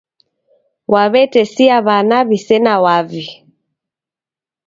Waw'etesia w'ana wisena wavi